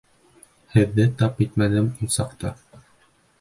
Һеҙҙе тап итмәнем ул саҡта.